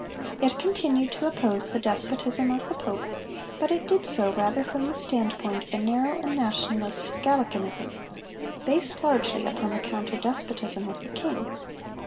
It continued to oppose the despotism of the Pope, but it did so rather from the standpoint of a narrow and nationalist Gallicanism, based largely upon the counter despotism of the King.